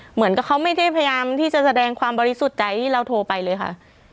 เหมือนกับเขาไม่ได้พยายามที่จะแสดงความบริสุทธิ์ใจที่เราโทรไปเลยค่ะ